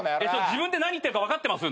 自分で何言ってるか分かってます？